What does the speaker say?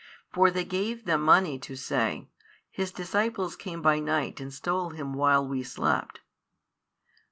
For they gave them money to say, His disciples came by night and stole Him while we slept.